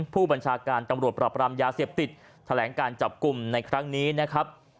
ผู้บัญชาการตำรวจปรับรามยาเสพติดแถลงการจับกลุ่มในครั้งนี้นะครับ